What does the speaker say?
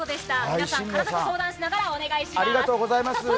皆さん体と相談しながらお願いします。